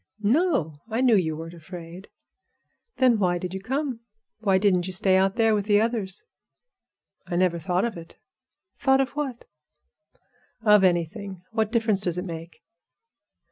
"No; I knew you weren't afraid." "Then why did you come? Why didn't you stay out there with the others?" "I never thought of it." "Thought of what?" "Of anything. What difference does it make?"